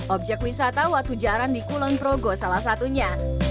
objek wisata waktu jalan di kulon progo salah satunya